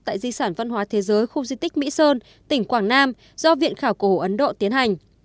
tại di sản văn hóa thế giới khu di tích mỹ sơn tỉnh quảng nam do viện khảo cổ ấn độ tiến hành